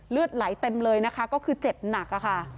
เลือดไหลเต็มเลยนะคะก็คือเจ็บหนักค่ะ